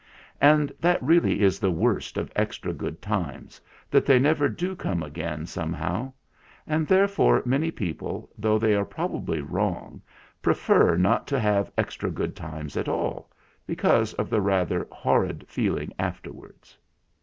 And that really is the worst of extra good times that they never do come again somehow ; and therefore many people though they are probably wrong prefer not to have extra good times at all, because of the rather horrid feeling afterwards.